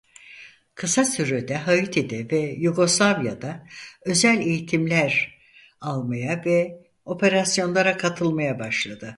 Kısa sürede Haiti'de ve Yugoslavya'da özel eğitimler almaya ve operasyonlara katılmaya başladı.